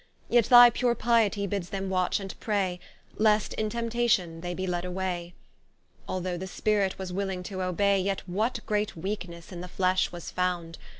Yet thy pure Pietie bids them Watch and Pray, Lest in Temptation they be led away. Although the Spirit was willing to obay, Yet what great weaknesse in the Flesh was found!